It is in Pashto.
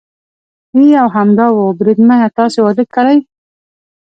یې یو همدا و، بریدمنه تاسې واده کړی؟